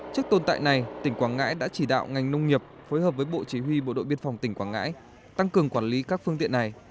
trước tồn tại này tỉnh quảng ngãi đã chỉ đạo ngành nông nghiệp phối hợp với bộ chỉ huy bộ đội biên phòng tỉnh quảng ngãi tăng cường quản lý các phương tiện này